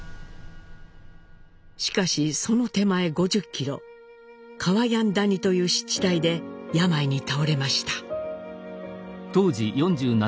しかしその手前５０キロカワヤン谷という湿地帯で病に倒れました。